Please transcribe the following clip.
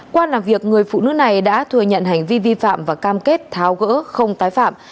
qua làm việc người phụ nữ này đã thừa nhận hành vi vi phạm và cam kết tháo gỡ không tái phạm